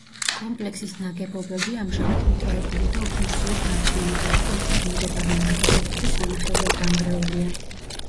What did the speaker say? კომპლექსის ნაგებობები ამჟამად მიტოვებული და უფუნქციოდ დარჩენილია; კოშკის მიმდებარე ნაგებობები სანახევროდ დანგრეულია.